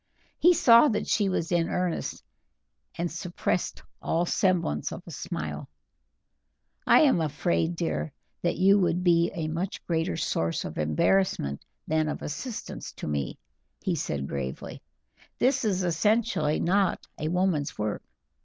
He saw that she was in earnest, and suppressed all semblance of a smile. "I am afraid, dear, that you would be a much greater source of embarrassment than of assistance to me," he said gravely. "This is essentially not a woman's work.